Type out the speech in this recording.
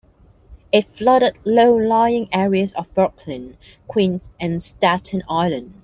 It flooded low-lying areas of Brooklyn, Queens, and Staten Island.